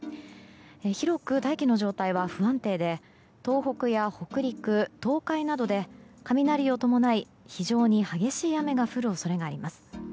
広く大気の状態は不安定で東北や北陸、東海などで雷を伴い非常に激しい雨が降る恐れがあります。